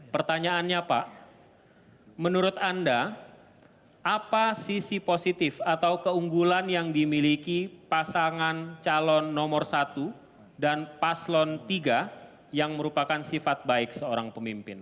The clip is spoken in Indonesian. pertanyaannya pak menurut anda apa sisi positif atau keunggulan yang dimiliki pasangan calon nomor satu dan paslon tiga yang merupakan sifat baik seorang pemimpin